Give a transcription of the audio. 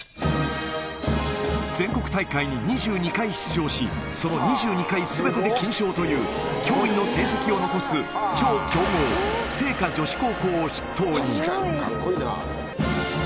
全国大会に２２回出場し、その２２回すべてで金賞という、驚異の成績を残す超強豪、精華女子高校を筆頭に。